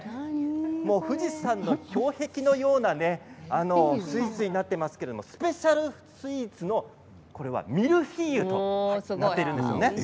富士山の氷壁のようなスイーツになっていますけどスペシャルスイーツのミルフィーユとなっています。